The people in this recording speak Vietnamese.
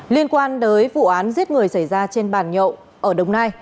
liên quan tới vụ án giết người xảy ra trên bàn nhậu ở đồng nai